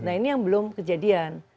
nah ini yang belum kejadian